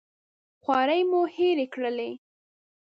خوارۍ مو هېرې کړلې.